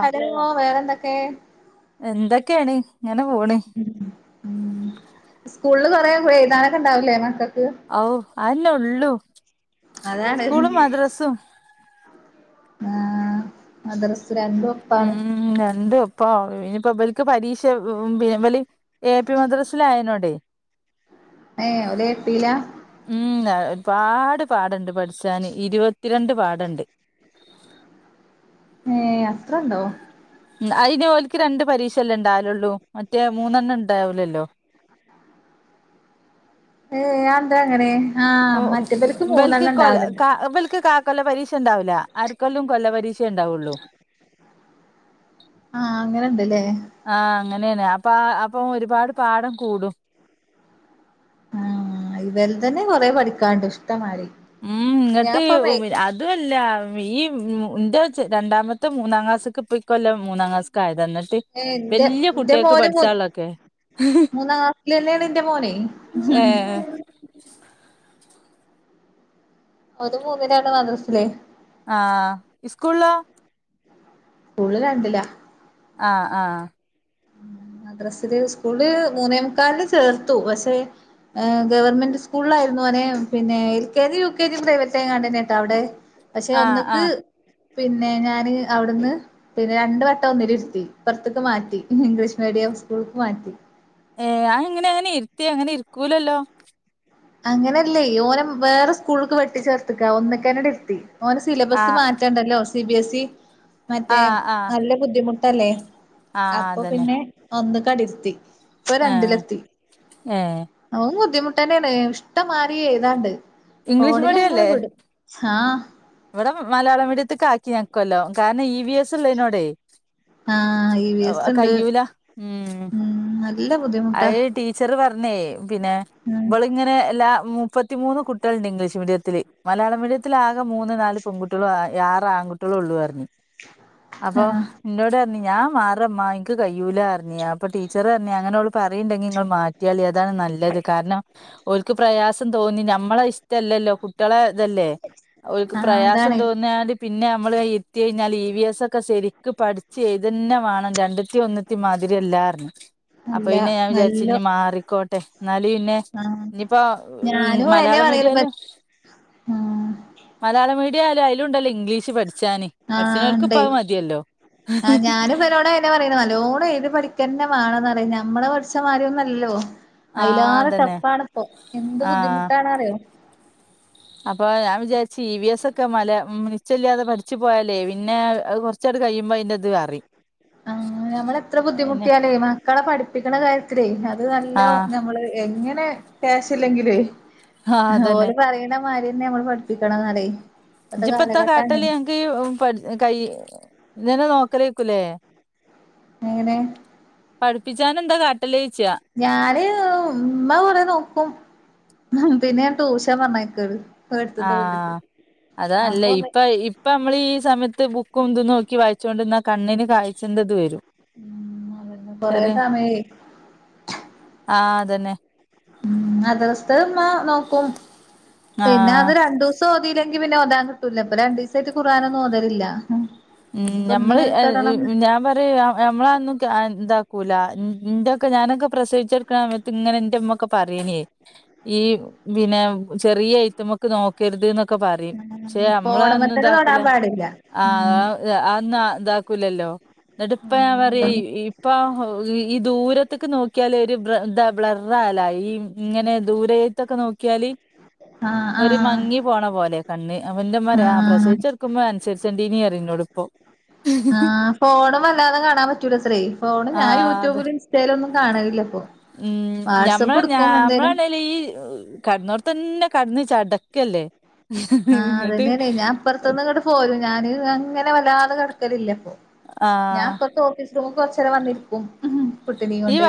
Hello വേറെന്തൊക്കെ എന്തൊക്കെയാണ് ഇങ്ങനെ പോണ് സ്കൂളിൽ കുറെ എഴുതാനക്കെ ഉണ്ടാവില്ലേ മക്കൾ ഔ അന്നെ ഉള്ളൂ അതാണ് സ്കൂളും മദ്രാസും ആഹ് മദ്റസ് രണ്ടും ഒപ്പാണ് ഉം രണ്ടും ഇപ്പൊ ഇനിപ്പോ വല്ക്ക് പരീക്ഷ പിന്നെ എ പി മദ്രസിലയനോടെ [inaudible] ഏഹ് ഓല് എപീല ഉം ഒരുപാട് പാടണ്ട് പഠിച്ചാന് ഇരുപത്തിരണ്ട് പാടണ്ട് ഏഹ് അത്രണ്ടോ ഉ അയിന് ഓൽക്ക് രണ്ട് പരീക്ഷയല്ലേ ഇണ്ടാവലുള്ളൂ മറ്റേ മൂന്നെണ്ണം ഇണ്ടാവുലല്ലോ ഏഹ് അതെന്താ അങ്ങനെ ആഹ് ഓഹ് മറ്റേബൽക്ക് ബൽക്ക് മൂന്നെണ്ണം കൊ ഇണ്ടാവല്ണ്ട് ക ബൽക്ക് കാ കൊല്ല പരീക്ഷ ഇണ്ടാവൂല്ല അരക്കൊല്ലും കൊല്ല പരീക്ഷയ ഇണ്ടാവുള്ളൂ ആഹ് അങ്ങനെണ്ട്ല്ലേ ആഹ് അങ്ങനെയാന്ന് അപ്പ അപ്പൊ ഒരുപാട് പാഠം കൂടും ആഹ് ഇവല്ത് തന്നെ കൊറെ പഠിക്കാണ്ട് ഇഷ്ടമാതിരി ഉം ഇങ്ങട്ട് അ അതുമല്ല ഈന്റെ ചെ രണ്ടാമത്തെ മൂന്നാം ക്ലാസ് ഇപ്പക്കല്ല മൂന്നാം ക്ലാസ്ക്ക് ആയതാ ഇന്നിട്ട് ഏഹ് എന്റെ എന്റെ മോന പോ മൂന്നാം ക്ലാസ്സിലെ ആണ് എന്റെ മോനേ ഏ ഒന്ന് മൂന്നിലാണ് മദ്രസയിൽ. ആ, സ്കുളിലോ? സ്കൂളിൽ രണ്ടില. ആ, ആ. മദ്രസ്സില് സ്കൂള് മൂന്നേമുക്കലിനു ചേർത്തു പക്ഷെ ഗവൺമെന്റ് സ്കൂളിലായിരുന്നു ഒന്. പിന്നെ L K G, U K G private ആയി കണ്ടന്നെ കേട്ടോ അവിടെ. പക്ഷെ ആഹ് ഒന്ന് ക്ക് ആഹ് പിന്നെ ഞാന് അവിടുന്ന് പിന്നെ രണ്ടു വട്ടം ഒന്നിൽ ഇരുത്തി. ഇപ്പറത്തേക്ക് മാറ്റി. ഇംഗ്ലീഷ് മീഡിയം സ്കൂൾക്ക് മാറ്റി. ഏ, എങ്ങനെ അയി നെ ഇരുത്തി. അങ്ങനെ ഇരിക്കൂലല്ലോ. അങ്ങനെയല്ലേ ഓനെ വേറെ സ്കൂളിലേക്ക് വെട്ടി ചേർത്ത് ക്കാ ഒന്ന് ക്കെന്നേ ഇരുത്തി. ഓന്റെ സിലബസ് ആഹ് മാറ്റാണ്ടല്ലോ. സി ബി എസ് ഇ മറ്റേ ആഹ് ആഹ് നല്ല ബുദ്ധിമുട്ടല്ലേ, ആഹ് അപ്പൊ അതന്നെ പിന്നെ ഒന്ന് കട് ഇരു ത്തി. ഇപ്പൊ ആഹ് രണ്ടിലെത്തി. ഏ അതും ബുദ്ധിമുട്ട് തന്നെയാണ്. ഇഷ്ടം മാരി എഴുതാനുണ്ട്. ഇംഗ്ലീഷ് ഫോണിൽ മീഡിയം അങ്ങനെ അല്ലേ വിടും. ആ. ഇവിടെ മലയാള മീഡിയത്തെ ക്ക് ആക്കി ഞാൻ ഇകൊല്ലം. കാരണം ഇ വി എസ് ഉള്ളതിനോടെ ആഹ് ഇ വി എസ് ഇണ്ട് കയ്യൂല. ഉം. നല്ല അ ബുദ്ധിമുട്ടാ ടീച്ചർ പറഞ്ഞേ പിന്നെ ഉം ഇവൾ ഇങ്ങനെ എല്ലാ മുപ്പത്തിമൂന്ന് കുട്ടി കുട്ടികളുണ്ട് ഇംഗ്ലീഷ് മീഡിയത്തില്, മലയാള മീഡിയത്തിൽ ആകെ മൂന്ന് നാല് പെൺുട്ടികളും, ആറ് ആൺകുട്ടികള ഉള്ളു പറഞ്ഞു. അപ്പൊ ആഹ് എന്നോട് പറഞ്ഞു. ഞാൻ മാറമ്മ എനിക്ക് കയുലാന്ന്, അപ്പൊ ടീച്ചർ പറഞ്ഞു അങ്ങനെ ഓൾ പറയുണ്ടെങ്കിൽ നിങ്ങൾ മാറ്റികൊളിൻ അതാണ് നല്ലത്. കാരണം ഓൽ ക്ക് പ്രയാസം തോന്നി നമ്മളെ ഇഷ് ഇഷ്ടം ല്ലല്ലോ കുട്ടികളെ ഇതല്ലേ, ഓല്ക് ആഹ് പ്രയാസം അതാണേ തോന്നിയാല് പിന്നെ നമ്മൾ ഇരുത്തി കഴിഞ്ഞാൽ ഇ വി എസ് ഒക്കെ, ശരിക്ക് പഠിച്ച് എഴുതന്നെ വേണം രണ്ട് രണ്ടുത്തി ഒന്നിത്തി മാതിരിഅല്ലാർന്നു. അപ്പൊ അല്ല പിന്നെ ഞാൻ വിചാരിച്ചു. നല്ല ഇഞ്ഞ് മാറിക്കോട്ടെ എന്നാലും പിന്നെ ആഹ് ഇനിയിപ്പോ ഞാനും അയന്നെ മലയാള മീഡിയം പറയല് പ ആഹ് മലയാള മീഡിയ ആയാലും അയിലും ഉണ്ടല്ലോ, ഇംഗ്ലീഷ് പഠിച്ചാന്. ആ, പഠിച്ച്ണോൽക്ക് ഇപ്പ ഇണ്ടെ അത് മതിയല്ലോ ആ, ഞാനും ഇവരോടെ പറയുന്ന നല്ലോണം ഏത് പഠിക്കന്നെ വണന്ന്റിയ നമ്മൾ പഠിച്ച മാതിരിയൊന്നും മല്ലല്ലോ. ആഹ് അതിലാറെ അതന്നെ ട്ടഫാണ് ഇപ്പൊ എന്ത് ബുദ്ധിമുട്ടാണ അറിയോ. ആ [inaudible] അപ്പൊ ഞാൻ വിചാരിച്ചു. ഇ വി എസ് ഒക്കെ മല നി ച്ചല്ലാതെ പഠിച്ചു പോയാലേ പിന്നെ കുറ കുറച്ചടു കഴിയുമ്പോൾ അയിന്റെയ് ഇത് അറിയും. ആ, നമ്മളെത്ര പിന്നെ ബുദ്ധിമുട്ടിയാലേ മക്കളെ പഠിപ്പിക്കണ കാര്യത്തിലേ അത് നല്ലോ ആഹ് നമ്മൾ എങ്ങനെ ക്യാശ ഇല്ലെങ്കിലും, ഓലെ ആഹ് പറയണ അതന്നെ ഓൽ പറയണ മാതിരി തന്നേ നമ്മൾ പഠിപ്പിക്കാണെന്നു പറയെ ഇജിപ്പത്തെ കാട്ടല്, അനക്ക് കൈ ഇങ്ങനെ നോക്കലേക്കൂലേ? എങ്ങനെ? പഠിപ്പിച്ചാന എന്താ കാട്ടല് ചോദിച്ച? ഞാന് ഉമ്മ കൊറേ നോക്കും. പിന്നെ ട്യൂഷൻ പറഞ്ഞയാക്കാണ്. ആ, അതാ നല്ലത് ഇപ്പൊ ഇപ്പ നമ്മൾ ഈ സമയത്ത് ബുക്കുംന്തന്ന് നോക്കി വായിച്ചുകൊണ്ടിന്നാൽ കണ്ണിന് കാഴ്ച്ച ന്റെ ഇത് വരും. കൊറേ സമയായി. ആ, അതന്നെ. മദ്രസ്ത്തെ ഉമ്മ നോക്കും. പിന്നെ ആഹ് അത് രണ്ടു ദിവസം സോതില്ലെങ്കി പിന്നെ ഒതാൻ കിട്ടൂല്ല ഇപ്പൊ രണ്ട് ദിവസമായിട്ട് കുറാനൊന്നും ഓതലില്ല ഉം ഇനിയിപ്പോ ഇന്ന് ഞമ്മള് മെനക്കെടണം ഞാൻ പറയ ആഹ് നമ്മളൊന്നും ഇതാക്കൂല ഇന്റെക്കെ ഞാനൊക്കെ പ്രസവിച്ചെടുക്കണ സമയത്ത് ഇങ്ങനെ എൻ്റമ്മ പറയന് ഈ പിന്നെ ചെറിയ ഐറ്റമ്മക്ക് നോ കരുത് എന്നൊക്കെ പറയും പക്ഷെ നമ്മള അതൊന്നും ഫോണുമ്മത്തന്നെ തൊടാൻ ഇതാക്കൂല പാടില്ല ഉം ആഹ് അന്ന ഇതാക്കൂലല്ലോ ന്നിട്ട് ഇപ്പ ഞാൻ പറയും ഈ ഇപ്പ ഈ ദൂരത്തൊക്കെ നോക്കിയാല് ഒരു ബ്ല ർ താ ബ്ലർ ആവല ഈ ഇങ്ങനെ ദൂരത്തൊക്കെ നോക്കിയാല് ആഹ് ഒരു ആഹ് മങ്ങി പോണ പോലെ കണ്ണ് അപ്പോ ന്റെമ്മ പറയും ആഹ് പ്രസവിച്ചെടുക്കുമ്പോ അൻസരിച്ചൻഡീന്ന് പറയും എന്നോട് പ്പൊ ആഹ് ഫോണും വല്ലാതെ കാണാൻ പറ്റൂലത്രേ ഫോണ് ആ ഞാൻ അത് യൂട്യൂബിൽ ഇൻസ്റ്റയിൽ ഒന്നും കാണലില്ലപ്പൊ വാട്സആപ്പ് എടുക്കും എന്തേലും ലീ കടന്നോട്ത്തന്നെ കടന്ന് ചടക്കല്ലേ ആഹ് ഇങ്ങട്ട് അതന്നെണ് ഞാൻപ്പറത്തുന്ന് ഇങ്ങട് പോലും ഞാന് അങ്ങനെ വല്ലാതെ കിടക്കലില്ലപ്പോ ഞാൻ ആഹ് ഇപ്പത്തെ ഓഫീസ് റൂം കൊറച്ചനേരം വന്നിരിക്കും കുട്ടിനേം ഈ വ കൊണ്ട്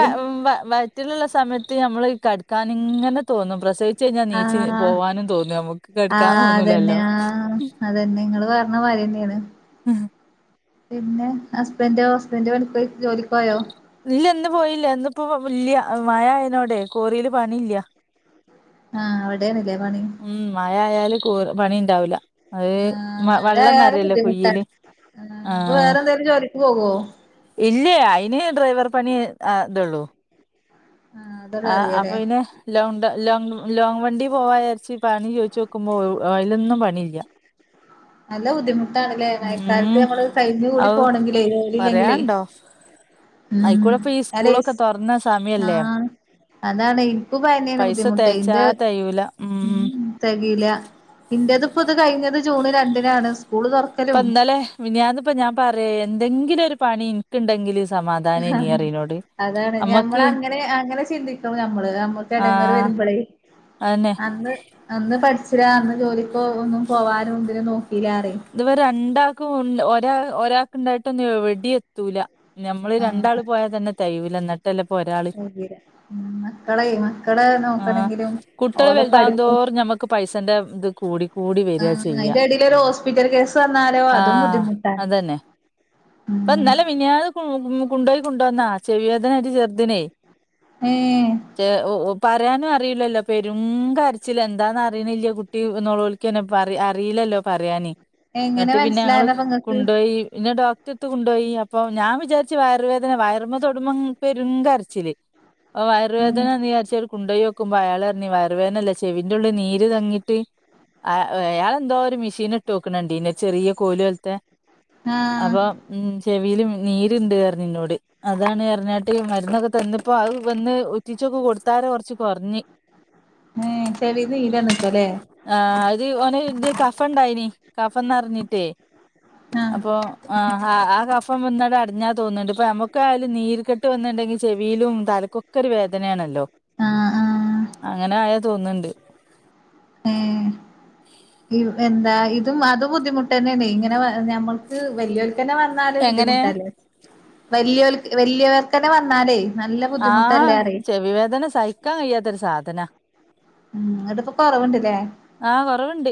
വയറ്റിലുള്ള സമയത്ത് നമ്മള് കടക്കാൻ ഇങ്ങനെ തോന്നും പ്രസ ചഞാ നീച്ചി ആഹ് പോവാനും തോന്നൂ നമുക്ക് കെടുക്കാന്ന് ആഹ് തോന്നൂലല്ലോ ന്ന വാര്യന്നെണ് ഉം പിന്നെ ഹസ്ബൻ്റോ ഹസ്ബൻഡ് പണിക്ക് ജോലിക്കോയോ ഇല്ല ഇന്ന് പോയില്ല എന്നിപ്പോ ഇല്ല മഴ ആയോണ്ടേ കോറിൽ പണി ഇല്ല ആഹ് അവിടെണല്ലേ പണി ഉം മഴ ആയാല് കോ പണി ഉണ്ടാവൂല്ല അത് ആഹ് മഴ വെള്ളം ആയാല് നിറയല്ലോ കുയില് ബുദ്ധിമുട്ടാണ് അപ്പൊ വേറെ എന്തേലും ജോലിക്ക് പോകോ ഇല്ല അയിന് ഡ്രൈവർ പണി ആഹ് ഇതള്ളു ആഹ് അതൊള്ളൂ ആഹ് അപ്പൊ അറിയാല്ലേ ഇന്നെ ലോ ലോങ് ലോങ് വണ്ടി പോവാ ചരിച്ചി പണി ചോദിച്ചോക്കുമ്പോൾ അലൊന്നും പണിയില്ല നല്ല ബുദ്ധിമുട്ടാണല്ലേ മയക്കാലത്ത് ഉം നമ്മള് കഴിഞ്ഞ് കൂടി ഔ പോണമെങ്കിലേ ജോലി ഇല്ലെങ്കിലേ അയിക്കൂടെപ്പ ഈ സ്കൂളൊക്കെ തുറന്ന സമയല്ലേ ആഹ് അതാണ് ഇന്കും പ്പ അതെന്നെണ് പൈസ ബുദ്ധിമുട്ടെ തേച്ചാ ഇന്റെ തയ്യൂല ഉം തെകേല്ല ഇൻ്റെത്പ്പോ ഇത് കഴിഞ്ഞത് ജൂണ് രണ്ടിനാണ് സ്കൂള് തുറ ഇപ്പൊ ഇന്നലെ മിനിയാന്ന് പ്പ ഞാൻ പറയാ എന്തെങ്കിലും ഒരു പണി എനിക്കുണ്ടെങ്കില് [unintelligible] അതാണ് ഞമ്മൾ അമ്മക്ക് അങ്ങനെ അങ്ങനെ ചിന്തിക്കണം നമ്മള് നമ്മുക്ക് ഇടങ്ങർ ആഹ് വരുമ്പോളേ അതന്നെ അന്ന് അന്ന് പഠിച്ചില്ല അന്ന് ജോലിപ്പോ ഒന്നും പോവാനും ഇതിനും നോക്കില അറിയും ഇതുവ രണ്ടാക്കും ഒരാ ഒരാൾക്ക് ഉണ്ടായിട്ടൊന്നും എവിടെ എത്തൂല നമ്മള് രണ്ടാള് അങ്ങനെ പോയാൽ തന്നെ തകയൂല്ല എന്നിട്ടല്ലപ്പോ ഒരാള് [inaudible] മക്കളെ ചെയ്യുന്ന ആഹ് കുട്ടികൾ പഠിപ്പും വലുതാകുതോറും ഞമ്മുക്ക് പൈസന്റെ ഇത് കൂടി കൂടി വര ആഹ് ചെയ്യാ അയിന്റെ എടേലൊരു ഹോസ്പിറ്റൽ കേസ് വന്നാലോ അതും ആഹ് ബുദ്ധിമുട്ടാണ് അതന്നെ അപ്പ ഉം ഇന്നല്ലെ മിനിയാന് കൊണ്ടുയി കൊണ്ടു വന്നാ ചെവിയേദനായിട്ട് ചെറുതിനേ ഏഹ് പറയാനും അറിയില്ലല്ലോ പെരും കരച്ചില് എന്താന്ന് അറിയണില്ല കുട്ടി നൊളോളിക്കന്നെ അറിയില്ലല്ലോ പറയാന് എങ്ങനെ എന്നിട്ട് പിന്നെ ഞങ്ങള് മനസ്സിലായതാപ്പൊ ഇങ്ങക്ക് കൊണ്ടോയി പിന്നെ ഡോ ക്റ്റെടുത്ത് കൊണ്ടോയി അപ്പൊ ഞാൻ വിചാരിച്ച് വയറുവേദന വയർമ്മ തൊടുമ്പം പെരും കരച്ചില് ഓഹ് വയറ് വേദനാണ് വിചാരിച്ച് കുണ്ടോയോക്കുമ്പോ അയാൾ പർഞ്ഞ് വയറ് വേദനല്ല ചെവിന്റെ ഉള്ളിൽ നീര് തങ്ങിട്ട്, ആ അയാൾന്തോ ഒരു മെഷീൻ ഇട്ടോക്ക്‌ണണ്ടീനു ഒര് ചെറിയ കോലോൽത്തെ, ആഹ് അപ്പൊ ഉം ചെവീൽ നീരുണ്ട് പറഞ്ഞുന്നോട്, അതാണ് പറഞ്ഞാട്ട് മരുന്നൊക്കെ തന്നപ്പോ അത് വന്ന് ഉറ്റിച്ചൊക്കെ കൊടുത്താരെ കൊർച്ച് കൊർഞ്ഞ്, ഏഹ് ചെവീന്ന് നീരന്ന്ക്കലേ, ആഹ് അത് ഓന് ഇത് കഫം ഇണ്ടായിനി കഫന്നറിഞ്ഞിട്ടേ, ആഹ് അപ്പോ ആഹ്, ആഹ് ആ കഫം വന്നാണ്ട് അടിഞ്ഞാ തോന്നുണ്ട് ഇപ്പൊ നമുക്കായാലും നീര് കെട്ട് വന്നിണ്ടെങ്കിൽ ചെവിയിലും തലക്കുംക്കെ, ഒക്കൊരു വേദനയാണല്ലോ ആഹ് ആഹ് അങ്ങനെ ആയാതോന്നുണ്ട്, ഏഹ് എന്താ ഇതും അതും ബുദ്ധിമുട്ട് തന്നെയാണെ ഇങ്ങനെ ഞമ്മൾക്ക് വെല്ലിയോൽക്കെന്നെ വ ന്നാലും എങ്ങനെ ബുദ്ധിമുട്ടല്ലേ വല്ല്യോ വലിയവർക്കെന്നെ വന്നാലേ, നല്ല ബുദ്ധിമുട്ടല്ലേ ആഹ് പറയ് ചെവി വേദന സഹിക്കാൻ കഴിയാത്തൊരു സാധനാ, ഉം ഇങ്ങട്ട്പ്പൊ കുറവുണ്ട്ല്ലേ, ആഹ് കൊറവുണ്ട്,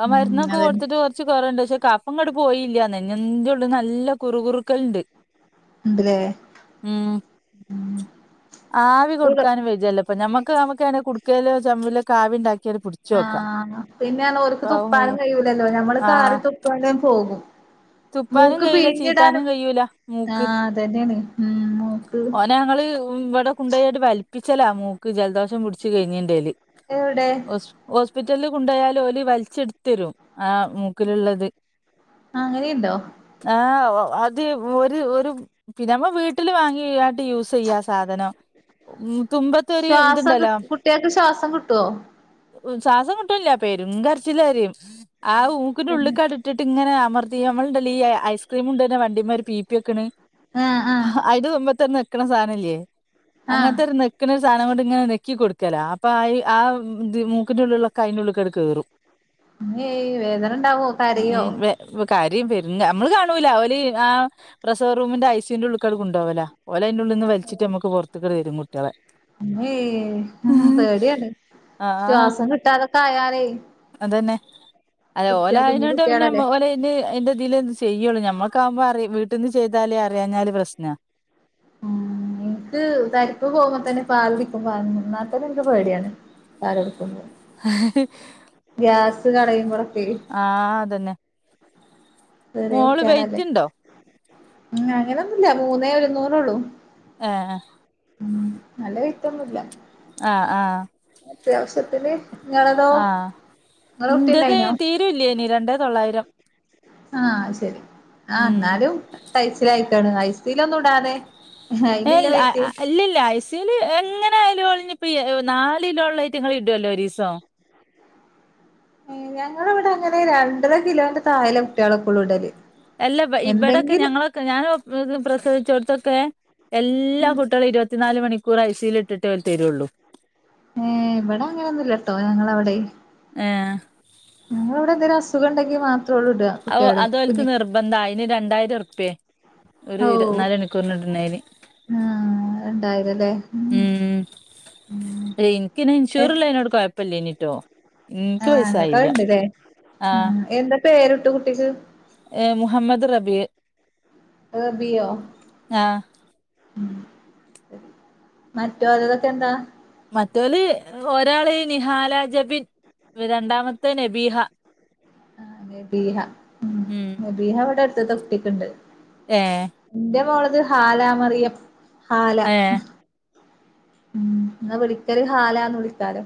ആ മരുന്നൊക്കെ അതന്നെ കൊടുത്തിട്ട്, കൊർച്ച് കുറവുണ്ട് പക്ഷെ കഫങ്ങട്ട് പോയില്ല നെഞ്ഞ്ന്റെള്ള്ന്ന് നല്ല കുറ് കുറുക്കല്ണ്ട്, ഉണ്ട്ലേ ഉം ആവി കൊടുക്കാനും വയ്യല്ലോ ഇപ്പൊ നമ്മക്ക് നമുക്ക് കുട്ക്കയിലോ ചെമ്പിലോക്കാവി ഉണ്ടാക്കിയ പിടിച്ച ആഹ് പിന്നെറന്നോൽക്ക് തുപ്പാനും വയ്യ കയ്യൂലല്ലോ ഞമ്മള് ആഹ് കാറി തുപ്പൂണോണ്ട് പോകും, തുപ്പാനും മൂക്ക് കഴിയില്ല ചീത്താനും പിഴ്ഞ്ഞിടാനും, കഴിയൂല മൂക്ക് ആഹ് അതന്നെയാണ്, ഉം മൂക്ക്, ഓനെ ഞങ്ങള് ഇവിടെ കുണ്ടോയാട്ട് വലിപ്പിച്ചലാ മൂക്ക് ജലദോഷം പിടിച്ച് കഴിഞ്ഞിണ്ടേല്, എവിടെ? ഹോസ്പിറ്റലിൽ കൊണ്ടോയാൽ ഓല് വലിച്ചെടുത്തരും ആ മൂക്കിലുള്ളത്, അങ്ങനെയുണ്ടോ? ആഹ് അത് ഒരു ഒരു പിന്നെ നമ്മള് വീട്ടിൽ വാങ്ങിയിട്ട് യൂസ് ചെയ്യാം, സാധനം ഉം തുമ്പത്തൊര് ശ്വാസം കി ഇതുണ്ടല്ലോ, കുട്ട്യേക്ക് ശ്വാസം കിട്ടോ ശ്വാസം കിട്ടുന്നില്ല പെരും കരച്ചില് കരയും അത് മൂക്കിന്റെ ഉള്ള്ക്കാട് ഇട്ടിട്ട്ങ്ങനെ അമർത്തി നമ്മളുണ്ടല്ലോ ഈ ഐസ്ക്രീം കൊണ്ട്ര്ന്നെ വണ്ടിമര് പീപ്പിവെക്കണ്, ആഹ് ആഹ് അയ്ന്റെ തുമ്പത്തൊരു നെക്ക്ണ സാധനല്ലേ ആഹ് അങ്ങൻത്തൊരു നെ നെക്ക്ന്ന ഒരു സാധനം കൊണ്ട് ഇങ്ങനെ നെക്കി കൊടുക്കലാ അപ്പൊ ആ ആ മൂക്കിന്റെ ഉള്ളിലുള്ളൊക്കെ അയിന്റുള്ള്ക്കാണ്ട് കേറും, മ്മെയ് വേദന ഉണ്ടാവോ കരയോ? കരയും പെരും നമ്മള് കാണൂല ഓല് ആഹ്, പ്രസവ റൂമിന്റെ ഐ സി യുന്റെ ഉള്ള്ക്കാണ്ട് കൊണ്ടോവല ഓലയ്ന്റെുള്ളിൽന്ന് വലിച്ചിട്ട് നമുക്ക് പുറത്ത്ട്ട് തരും കുട്ടികളെ, ഇമ്മേ പേടിയാണ് ആ ശ്വാസം കിട്ടാതൊക്കെ ആയാലെ, അതന്നെ അത് ഓല് കുഞ്ഞു ആയെയ്നോട് പിന്നെ കുട്ടികളല്ലേ ഓല പിന്നെ അയ്ന്റെറതിലെ ചെയ്യുള്ളൂ ഞമ്മുക്കാവുമ്പോ വീട്ട്ന്ന് ചെയ്താലേ അറിയാഞ്ഞാല് പ്രശ്നാ, ഉം എനിക്ക് തരിപ്പ് പോകുമ്പോ തന്നെ പാലുടി വന്നാത്തന്നെ ഇൻക്ക് പേടിയാണ് പാല് കൊടുക്കുമ്പോ ഗ്യാസ് കളയുമ്പളൊക്കെയ് ആഹ് അതന്നെ ചെറിയ മോള് കുട്ട്യാളല്ലേ വെയിറ്റ്ണ്ടോ ഉം അങ്ങനൊന്നുല്ല മൂന്നേ ഒരുന്നൂറൊള്ളൂ, ആഹ് ഉം നല്ല വൈറ്റൊന്നുംല്ല ആഹ് ആഹ് അത്യാവശ്യത്തിന് ഇങ്ങളതോ ഇങ്ങളെ കുട്ടിണ്ടായിനോ ട്ടില്ലായ്നി രണ്ടെ തൊള്ളായിരം, ആഹ് അഹ് ശെരി ആ ഉം ഇന്നാലും കയിച്ചിലായിക്കാണ് ഐ സി യു ലൊന്നും ഇടാതെ. ഏഹ് അയിനില്ല ഇൽ ആഹ് വെയിറ്റ് ആഹ് ഇല്ല ഇല്ല ഐ സി യു വിൽ എങ്ങനെ ആയാലും ഓലിഞ്ഞിപ്പോ നാല് കിലോ ഉള്ളായിട്ട്ങ്ങളെ ഇടോല്ലോ ഒരീസം. ഏഹ് ഞങ്ങളെവിടെ അങ്ങനെ രണ്ടര കിലോന്റെ തായല്ലെ കുട്ടികളൊക്കെ ഉള്ളൂ ഇടല്. അല്ല ഇവി ഇവിടെക്കെ എന്തെങ്കിലും ഞങ്ങളൊക്കെ ഞാൻ പ്രസവിച്ചോടത്തൊക്കെ. എല്ലാ കുട്ടികളേം ഇരുപത്തിനാല് മണിക്കൂർ ഐ സി യു വിൽ ഇട്ടിട്ടേ ഓല്തരുള്ളൂ. ഏഹ് ഇവിടെ അങ്ങനൊന്നുല്ലട്ടോ ഞങ്ങള അവിടെ. ഏഹ് ഞങ്ങളെ ഇവിടെ എന്തേലും അസുഖണ്ടെങ്കി മാത്രേള്ളൂ ഇട കുട്ടിയാള് കുഞ്ഞി ഇതെന്താ അയിന് രണ്ടായിരം ഉറുപ്പിയേ ഒരു ഓഹ് ഇരുപത്തിനാല് മണിക്കൂറ് ഇടുന്നതിന്. രണ്ടായിരല്ലേ. ഉം ഇൻ ക്ക് പിന്നെ ഏഹ് ഇൻഷൂറിള്ളിനോട് കൊഴപ്പ പ്പല്ലേനീട്ടോ. ആഹ് ഇങ്ങക്ക് അത്ണ്ടിലേ ആ ഉം എന്താ പേര്ട്ടത് കുട്ടിക്ക്. ഏഹ് മുഹമ്മദ് റബിഹ്. റബിഹോ ആ ഉം മറ്റോൽതൊക്കെ എന്താ. മറ്റോല് ഒരാള് നിഹാല ജബിൻ രണ്ടാമത്തെ നബീഹ. ആഹ് നബീഹ ഉം നബീഹ ഇവിടെ അടുത്ത്ത്തെ കുട്ടിക്ക്ണ്ട്. ഏഹ് എന്റെ മോളത് ഹാലാ മറിയം ഹാല. ഏ ഉം എന്നാ വിളിക്കല് ഹാലാന്ന് വിളിക്കാലോ.